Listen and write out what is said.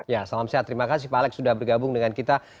ya salam sehat terima kasih pak alex sudah bergabung dengan kita